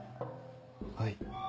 はい。